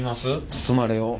包まれよう。